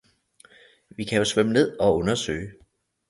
Vi kan jo svømme ned og undersøge!